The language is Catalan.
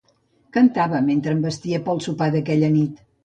Cantava mentre em vestia per al sopar d'aquella nit.